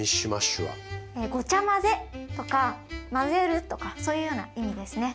「ごちゃ混ぜ」とか「混ぜる」とかそういうような意味ですね。